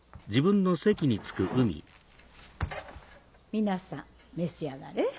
皆さん召し上がれ。